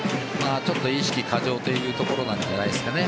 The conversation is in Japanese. ちょっと意識過剰というところなんじゃないですかね。